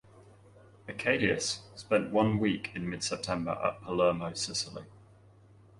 "Achelous" spent one week in mid-September at Palermo, Sicily.